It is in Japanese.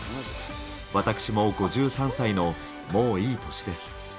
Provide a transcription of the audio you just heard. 私も５３歳の、もういい年です。